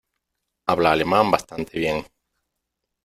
Habla alemán bastante bien.